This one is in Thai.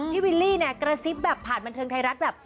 วิลลี่เนี่ยกระซิบแบบผ่านบันเทิงไทยรัฐแบบ